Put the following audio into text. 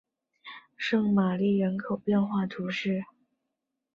圣玛丽人口变化图示